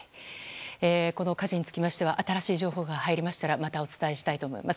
この火事につきましては新しい情報が入りましたらまたお伝えしたいと思います。